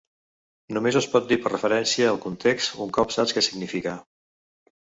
Només es pot dir per referència al context un cop saps què significa.